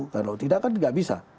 kalau tidak kan tidak bisa